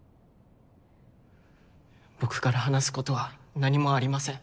僕から話すことは何もありません。